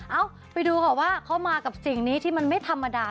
ไปดูค่ะว่าเขามากับสิ่งนี้ที่มันไม่ธรรมดา